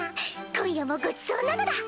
今夜もごちそうなのだ！